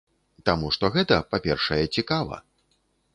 Таму што гэта, па-першае, цікава.